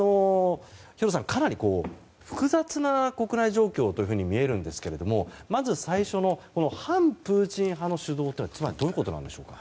兵頭さん、かなり複雑な国内状況と見えるんですけれどもまず最初の反プーチン派の主導はつまりどういうことなんでしょうか。